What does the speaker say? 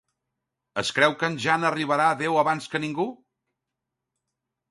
Es creu que en Jan arribarà a Déu abans que ningú?